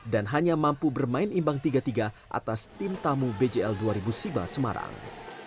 dan hanya mampu bermain imbang tiga tiga atas tim tamu bgl dua ribu siba semarang